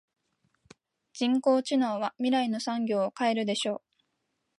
人工知能は未来の産業を変えるでしょう。